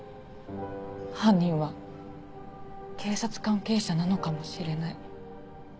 「犯人は警察関係者なのかもしれない」。